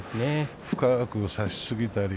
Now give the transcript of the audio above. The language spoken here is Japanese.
深く差しすぎたり。